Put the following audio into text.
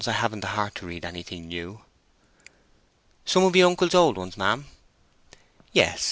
I haven't heart to read anything new." "Some of your uncle's old ones, ma'am?" "Yes.